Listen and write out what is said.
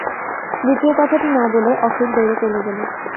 দ্বিতীয় কথাটি না বলে অখিল দৌড়ে চলে গেল।